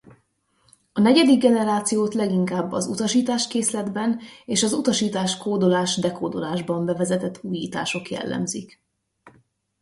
A negyedik generációt leginkább a utasításkészletben és az utasításkódolás-dekódolásban bevezetett újítások jellemzik.